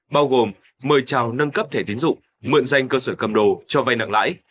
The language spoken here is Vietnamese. bao gồm mời trào nâng cấp thẻ tiến dụng mượn danh cơ sở cầm đồ cho vai nặng lãi